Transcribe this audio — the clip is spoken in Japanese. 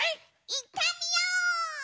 いってみよう！